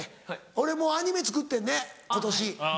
俺もうアニメ作ってんね今年。